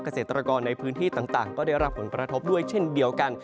เกษตรกรในพื้นที่ต่างก็ได้รับผลกระทบด้วยเช่นเดียวกัน